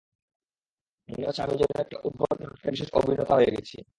মনে হচ্ছে আমি যেন একটা উদ্ভট নাটকের বিশেষ অভিনেতা হয়ে গেছি।